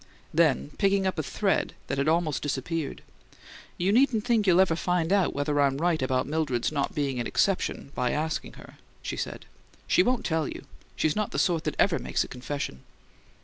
Then, picking up a thread that had almost disappeared: "You needn't think you'll ever find out whether I'm right about Mildred's not being an exception by asking her," she said. "She won't tell you: she's not the sort that ever makes a confession."